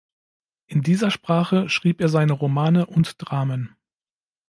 In dieser Sprache schrieb er seine Romane und Dramen.